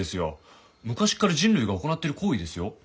昔から人類が行っている行為ですよ。